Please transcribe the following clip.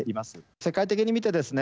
世界的に見てですね